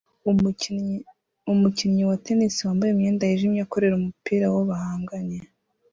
Umukinnyi wa tennis wambaye imyenda yijimye akorera umupira uwo bahanganye